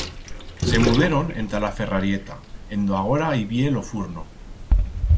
Se muderon enta la ferrarieta, en do agora ib'ye lo furno.